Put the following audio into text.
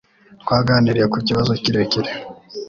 Twaganiriye ku kibazo kirekire